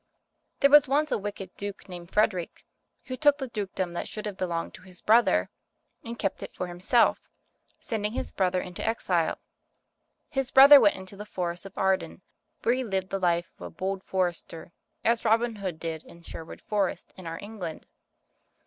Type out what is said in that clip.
THERE was once a wicked Duke named Frederick, who took the dukedom that should have belonged to his brother, and kept it for himself, sending his brother into exile. His brother went into the Forest of Arden, where he lived the life of a bold for ester, as Robin Hood did ii Sherwood Forest in our England.